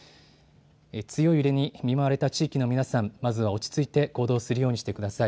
強い揺れに見舞われた地域の皆さん、まずは落ち着いて行動するようにしてください。